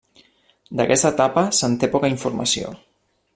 D'aquesta etapa se'n té poca Informació.